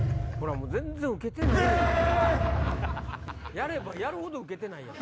やればやるほどウケてないやん。